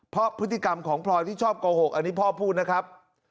เพราะพฤติกรรมของพลอยที่ชอบโกหกอันนี้พ่อพูดนะครับ